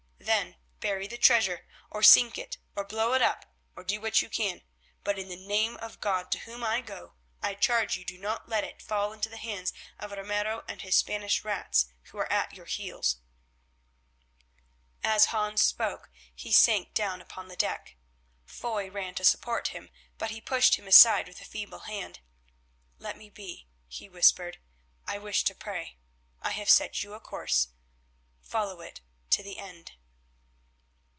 Then bury the treasure, or sink it, or blow it up, or do what you can, but, in the name of God, to whom I go, I charge you do not let it fall into the hands of Ramiro and his Spanish rats who are at your heels." As Hans spoke he sank down upon the deck. Foy ran to support him, but he pushed him aside with a feeble hand. "Let me be," he whispered. "I wish to pray. I have set you a course. Follow it to the end."